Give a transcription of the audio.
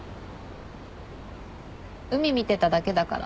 海見てただけだから。